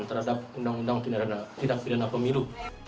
terhadap tindak pidana pemilu